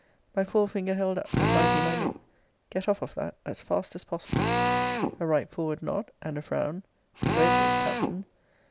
My fore finger held up, and biting my lip, get off of that, as fast as possible. A right forward nod, and a frown, swear to it, Captain.